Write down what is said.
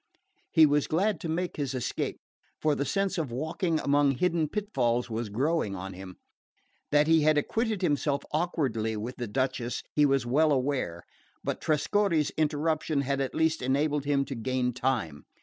He was glad to make his escape, for the sense of walking among hidden pitfalls was growing on him. That he had acquitted himself awkwardly with the Duchess he was well aware; but Trescorre's interruption had at least enabled him to gain time.